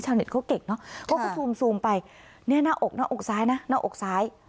เน็ตเขาเก่งเนอะเขาก็ซูมไปเนี่ยหน้าอกหน้าอกซ้ายนะหน้าอกซ้าย